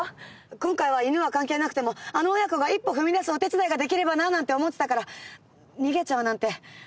今回は犬は関係なくてもあの親子が一歩踏み出すお手伝いができればなあなんて思ってたから逃げちゃうなんて。